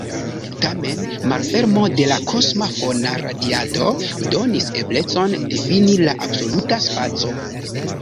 Tamen, malfermo de la kosma fona radiado donis eblecon difini la absoluta spaco.